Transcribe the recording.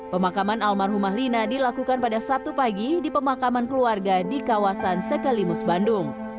pemakaman almarhumah lina dilakukan pada sabtu pagi di pemakaman keluarga di kawasan sekelimus bandung